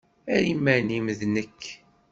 Err iman-nnem d nekk.